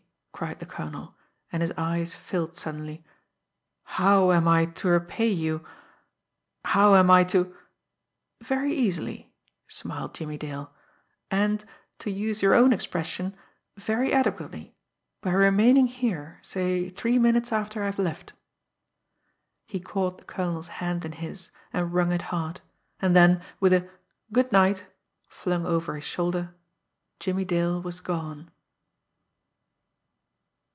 cried the colonel, and his eyes filled suddenly. "How am I to repay you, how am I to " "Very easily," smiled Jimmie Dale; "and, to use your own expression, very adequately by remaining here, say, three minutes after I have left." He caught the colonel's hand in his and wrung it hard and then, with a "Goodnight!" flung over his shoulder, Jimmie Dale was gone.